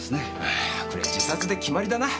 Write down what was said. ああこりゃ自殺で決まりだな。